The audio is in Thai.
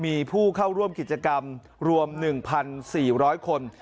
มีผู้เข้าร่วมกิจกรรมรวม๑๔๐๐คน